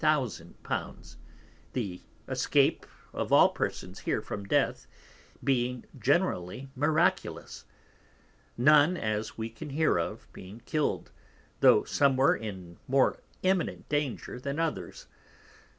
_ the escape of all Persons here from Death, being generally miraculous; none as we can hear of being kill'd, tho' some were in more imminent danger than others.